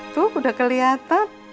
tuh udah keliatan